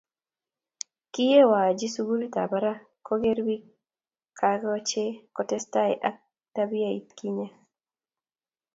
Kiyewo aji sukulitab barak kuger biik cachee kotesetai ak tabiait kinye.